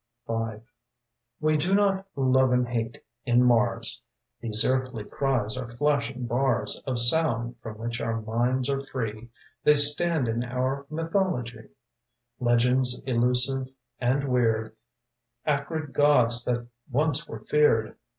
\\ E do not love and hate in Mars. These earthly cries are flashing bars Of sound from which our minds are free. They stand in our mythology: Legends elusive and weird, Acrid Gods that once were feared.